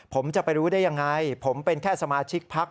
ผมจะไปรู้ได้ยังไงผมเป็นแค่สมาชิกพัก